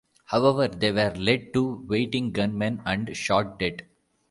However, they were led to waiting gunmen and shot dead.